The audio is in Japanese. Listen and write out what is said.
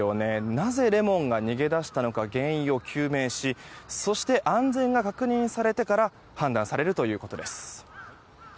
なぜレモンが逃げ出したのか原因を究明しそして安全が確認されてから判断されるということです。